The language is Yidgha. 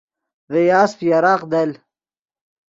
ڤے یاسپ یراق دل